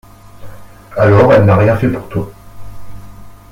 Alors elle n'a rien fait pour toi.